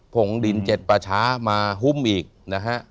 ผงดินเจ็ดประชามาหุ้มอีกนะฮะ